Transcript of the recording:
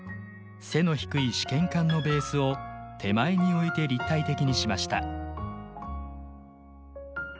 背の低い試験管のベースを手前に置いて立体的にしました。